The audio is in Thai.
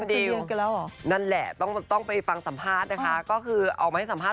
คัดเจนนะคะระหว่างดิวอลิสารากับพี่ไผว์วันพลอยท์